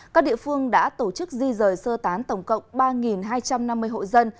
các địa phương đã tổ chức di rời sơ tán tổng cộng ba hai trăm năm mươi hộ dân